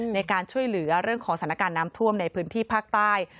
ในการช่วยเหลือเรื่องของสถานการณ์น้ำท่วมในพื้นที่ภาคใต้